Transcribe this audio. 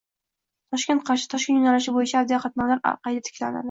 Toshkent—Qarshi—Toshkent yo‘nalishi bo‘yicha aviaqatnovlar qayta tiklanadi